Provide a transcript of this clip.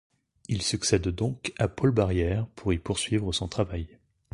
Il succède donc à Paul Barrière pour y poursuivre son travail.